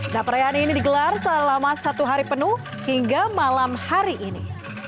nah perayaan ini digelar selama satu hari penuh hingga malam hari ini